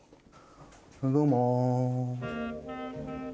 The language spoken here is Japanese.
どうも。